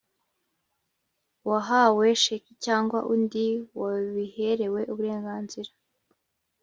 a Uwahawe sheki cyangwa undi wabiherewe uburenganzira